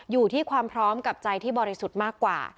อยู่ที่ความพร้อมกับใจที่บริสุทธิ์มากกว่า